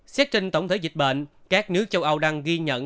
xét trên tổng thể dịch bệnh các nước châu âu đang ghi nhận